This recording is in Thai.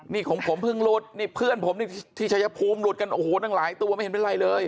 นี่ของผมเพิ่งหลุดนี่เพื่อนผมนี่ที่ชายภูมิหลุดกันโอ้โหตั้งหลายตัวไม่เห็นเป็นไรเลย